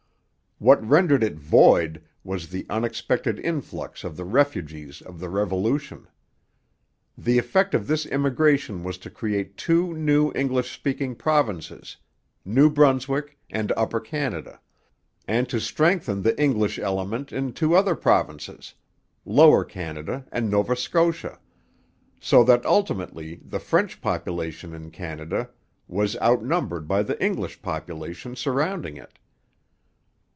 What rendered it void was the unexpected influx of the refugees of the Revolution. The effect of this immigration was to create two new English speaking provinces, New Brunswick and Upper Canada, and to strengthen the English element in two other provinces, Lower Canada and Nova Scotia, so that ultimately the French population in Canada was outnumbered by the English population surrounding it.